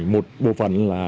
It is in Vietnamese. một bộ phận là